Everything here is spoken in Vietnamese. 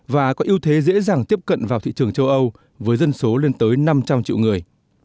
và có ưu thế dễ dàng tiếp cận vào thị trường châu âu với dân số lên tới năm trăm linh triệu người